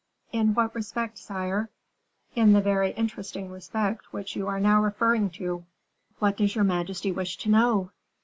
"In what respect, sire?" "In the very interesting respect which you are now referring to." "What does your majesty wish to know?"